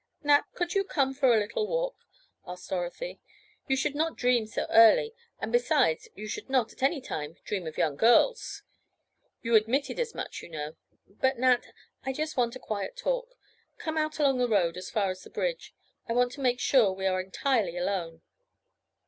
"Nat, could you come for a little walk?" asked Dorothy. "You should not dream so early, and besides, you should not, at any time, dream of young girls. You admitted as much, you know. But Nat, I just want a quiet talk—come out along the road as far as the bridge. I want to make sure we are entirely alone."